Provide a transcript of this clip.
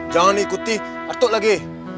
jangan ikuti atuk lagi